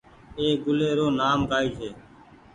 اي گُلي رو نآم ڪآئي ڇي۔